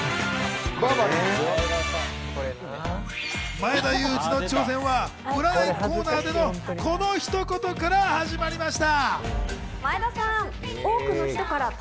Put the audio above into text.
前田裕二の挑戦は占いコーナーでのこのひと言から始まりました。